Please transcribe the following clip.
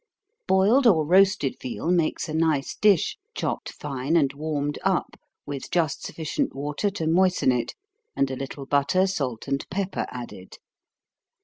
_ Boiled or roasted veal makes a nice dish, chopped fine, and warmed up, with just sufficient water to moisten it, and a little butter, salt, and pepper, added.